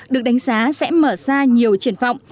được đánh giá sẽ mở ra nhiều triển vọng